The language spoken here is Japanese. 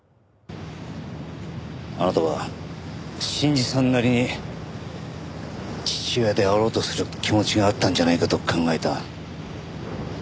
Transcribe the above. あなたは信二さんなりに父親であろうとする気持ちがあったんじゃないかと考えた。